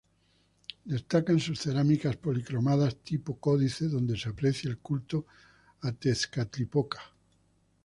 Destacan sus cerámicas policromadas "tipo códice" donde se aprecia el culto a Tezcatlipoca.